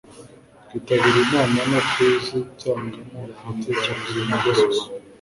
kwitabira inama no kuzitangamo ibitekerezo nta mususu